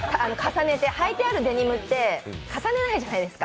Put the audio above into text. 履いてあるデニムって重ねないじゃないですか。